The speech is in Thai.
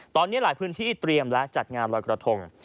ตอนนี้หลายพื้นที่เตรียมและจัดงานรอยกระทง